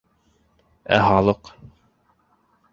- Ә халыҡ?